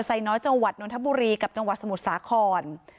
ไซน้อยจังหวัดนทบุรีกับจังหวัดสมุทรสาคร